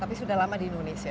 tapi sudah lama di indonesia